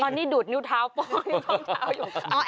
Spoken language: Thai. ตอนนี้ดูดนิ้วเท้าป้องดูดนิ้วเท้าอยู่ตรงนี้